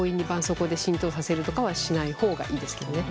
そうこうで浸透させるとかはしない方がいいですけどね。